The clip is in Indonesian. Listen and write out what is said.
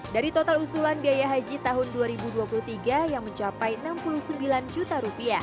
dari total usulan biaya haji tahun dua ribu dua puluh tiga yang mencapai rp enam puluh sembilan juta